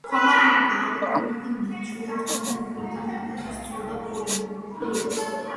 ქვამარილი გაალოკვინა და მიიჩვია. მერმე ნუკრებთან ერთად სწოვდა ფურირემს.